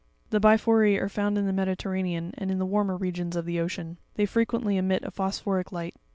The Biphoree are found in the Mediterranean, and in the warmersregions of the ocean ; they frequently emit a phosphoric light.